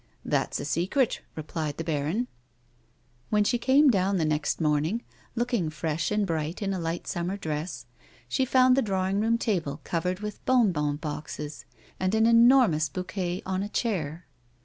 "That's a secret," replied the baron. 40 A AYOMAN'S LIFE. When she came down the next morning, looking fresh and bright in a light summer dress, she found the drawing room table covered with bon bon boxes, and an enormous bouquet on a chair.